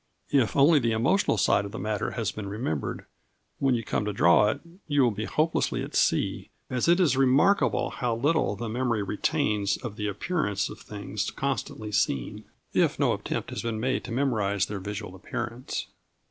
If only the emotional side of the matter has been remembered, when you come to draw it you will be hopelessly at sea, as it is remarkable how little the memory retains of the appearance of things constantly seen, if no attempt has been made to memorise their visual appearance.